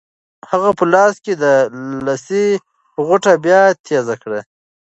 هغه په خپل لاس کې د لسي غوټه بیا تېزه کړه.